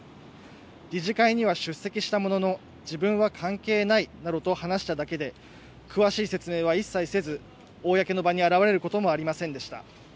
理事会には出席したものの自分は関係ないなどと話しただけで詳しい説明は一切せず公の場に現れることもありませんでした。